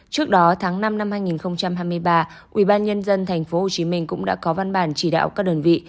trước đó tháng năm năm hai nghìn hai mươi ba ủy ban dân tp hồ chí minh cũng đã có văn bản chỉ đạo các đơn vị